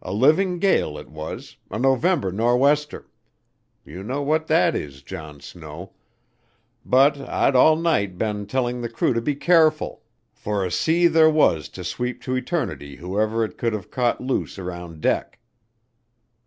A living gale it was, a November no'wester you know what that is, John Snow but I'd all night been telling the crew to be careful, for a sea there was to sweep to eternity whoever it could've caught loose around deck.